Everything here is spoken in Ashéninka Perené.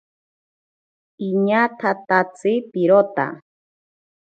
Iñatatatsi pirota.